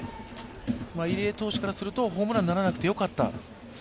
入江投手からするとホームランにならなくてよかった。